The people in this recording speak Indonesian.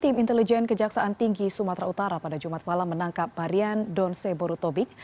tim intelijen kejaksaan tinggi sumatera utara pada jumat malam menangkap barian donce borutobik